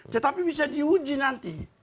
tetapi bisa diuji nanti